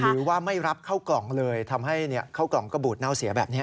หรือว่าไม่รับเข้ากล่องเลยทำให้เข้ากล่องก็บูดเน่าเสียแบบนี้